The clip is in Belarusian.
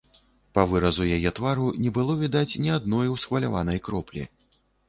Па выразу яе твару не было відаць ні адной усхваляванай кроплі.